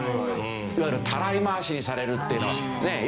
いわゆるたらい回しにされるっていうのよく聞きますよね。